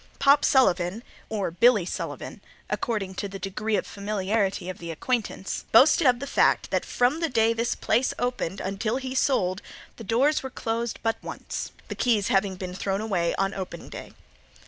"Pop" Sullivan, or "Billy" Sullivan, according to the degree of familiarity of the acquaintance, boasted of the fact that from the day this place opened until he sold the doors were closed but once, the keys having been thrown away on opening day.